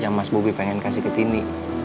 yang mas bubi pengen kasih ke tini